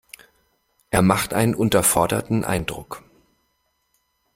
Er macht einen unterforderten Eindruck.